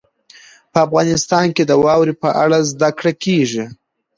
په افغانستان کې د واورې په اړه زده کړه کېږي.